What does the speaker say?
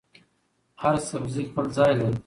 هر سبزي خپل ځای لري.